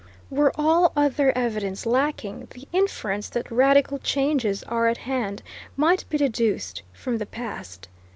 Were all other evidence lacking, the inference that radical changes are at hand might be deduced from the past.